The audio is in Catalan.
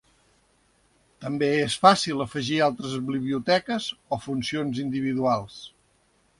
També és fàcil afegir altres biblioteques o funciones individuals.